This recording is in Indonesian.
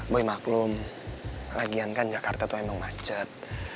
boy maklum lagian kan jakarta tuh emang macet